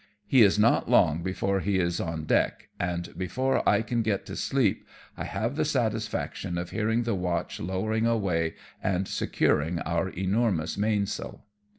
He is not long before he is on deck, and before I can get to 6o AMONG TYPHOONS AND PIRATE CRAFT. sleep I have the satisfaction of hearing the watch lowering away and securing our enormous mainsail.